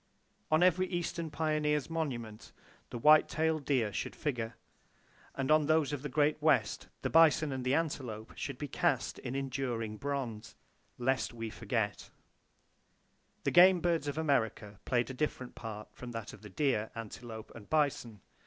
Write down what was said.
On every eastern pioneer's monument, the white tailed deer should figure; and on those of the Great West, the bison and the antelope should be cast in enduring bronze, "lest we forget!" The game birds of America played a different part from that of the deer, antelope and bison.